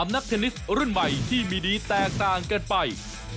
นักเทนนิสรุ่นใหม่ที่มีดีแตกต่างกันไป